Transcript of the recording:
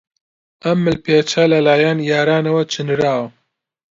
ئەم ملپێچە لەلایەن یارانەوە چنراوە.